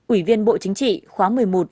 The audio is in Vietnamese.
ủy viên bộ chính trị khóa một mươi một một mươi hai